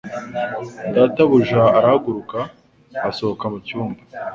data buja arahaguruka asohoka mu cyumba